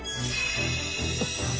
あっ。